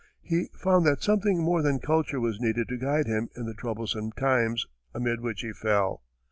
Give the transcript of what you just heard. he found that something more than culture was needed to guide him in the troublous times amid which he fell.